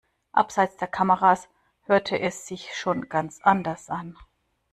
Abseits der Kameras hörte es sich schon ganz anders an.